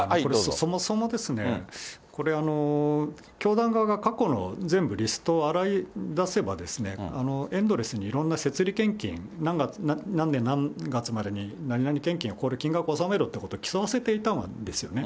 そもそもですね、教団側が過去の全部リストを洗い出せば、エンドレスにいろんなせつり献金、何年何月までに何々献金、ここで金額納めろということを競わせていたんですよね。